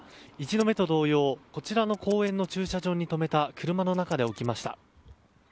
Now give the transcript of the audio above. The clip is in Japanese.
１度目と同様こちらの公園の駐車場に止めた車の中で起きました。